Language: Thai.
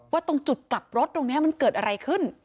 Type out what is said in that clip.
ตรงจุดกลับรถตรงนี้มันเกิดอะไรขึ้น